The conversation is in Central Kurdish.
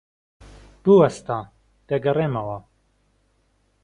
بوەستە. دەگەڕێمەوە.